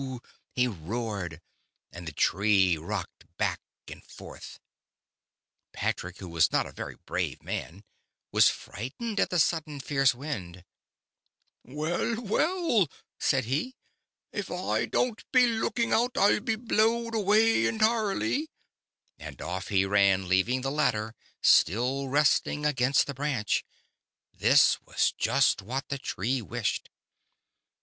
Whooooooo ! I he roared, and the Tree rocked back and forth ! Patrick, who was not a very brave man, was frightened at the sudden fierce wind. "Well, well," said he, " av Oi don't be look in' out, Oi'U be blowed away intoirely," — and off he ran, leaving the ladder still resting against the branch. This was just what the Tree wished.